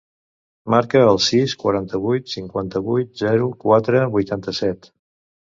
Marca el sis, quaranta-vuit, cinquanta-vuit, zero, quatre, vuitanta-set.